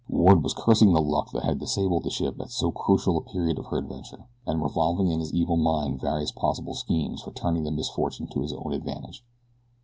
Ward was cursing the luck that had disabled the ship at so crucial a period of her adventure, and revolving in his evil mind various possible schemes for turning the misfortune to his own advantage.